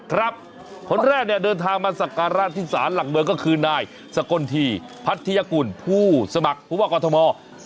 คนแรกเนี่ยเดินทางมาสักการะที่ศาลหลักเมืองก็คือนายสกลทีพัทยากุลผู้สมัครผู้ว่ากอทม